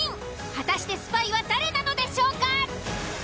果たしてスパイは誰なのでしょうか？